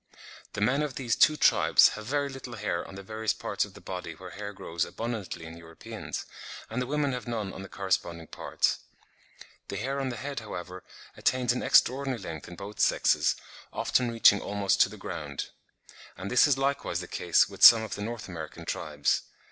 The men of these two tribes have very little hair on the various parts of the body where hair grows abundantly in Europeans, and the women have none on the corresponding parts. The hair on the head, however, attains an extraordinary length in both sexes, often reaching almost to the ground; and this is likewise the case with some of the N. American tribes.